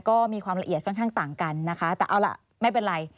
ก็มีความละเอียดค่อนข้างต่างกันนะคะแต่เอาล่ะไม่เป็นไร